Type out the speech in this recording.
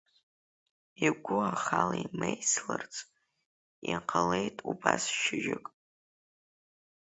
Игәы ахала имеисларц, иҟалеит убас шьыжьык.